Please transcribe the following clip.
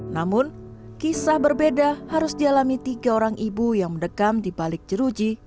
namun kisah berbeda harus dialami tiga orang ibu yang mendekam di balik jeruji